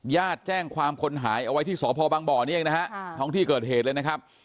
แจ้งความคนหายเอาไว้ที่สพบังบ่อนี้เองนะฮะท้องที่เกิดเหตุเลยนะครับ